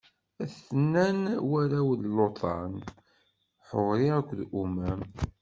A-ten-an warraw n Luṭan: Ḥuri akked Umam.